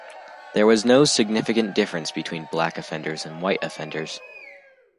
There was no significant difference between black offenders and white offenders.